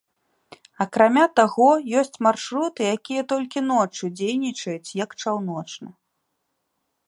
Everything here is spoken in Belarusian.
Акрамя таго, ёсць маршруты, якія толькі ноччу дзейнічаюць як чаўночны.